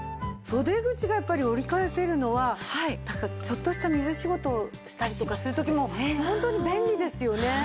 袖口がやっぱり折り返せるのはちょっとした水仕事をしたりとかする時もホントに便利ですよね。